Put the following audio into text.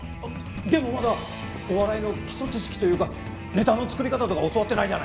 でもまだお笑いの基礎知識というかネタの作り方とか教わってないじゃないですか。